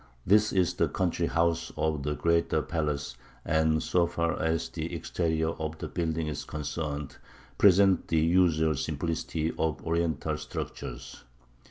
This is the "Country House" of the greater palace, and, so far as the exterior of the building is concerned, presents the usual simplicity of Oriental structures.